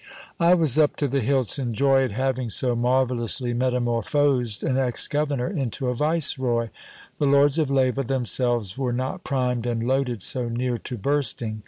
I was up to the hilts in joy at having so marvellously metamorphosed an ex governor into a viceroy ; the Lords of Leyva themselves were not primed and loaded so near to bursting.